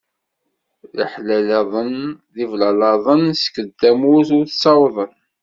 D iḥlalaḍan d iblalaḍen skedd tamurt ur ttawḍen.